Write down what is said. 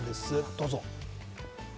どうぞ。